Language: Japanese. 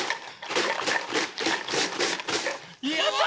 やった！